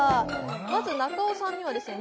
まず中尾さんにはですね